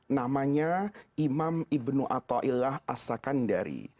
namanya imam ibn atta'illah as sakandari